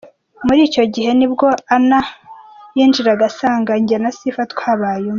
Muri icyo gihe nibwo na Anna yinjiraga asanga jye na Sifa twabaye umwe.